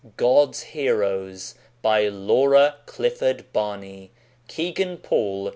God's Heroes by Laura Clifford Barney. KEGAN PAUL.